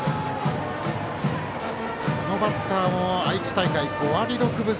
このバッターも愛知大会５割６分３厘。